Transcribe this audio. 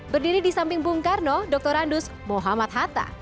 berdiri di samping bung karno dr randus mohamad hatta